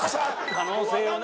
可能性をね。